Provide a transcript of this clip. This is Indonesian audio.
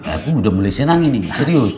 aku udah mulai senangin ini serius